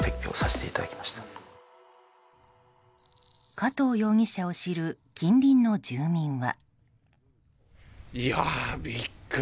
加藤容疑者を知る近隣の住民は。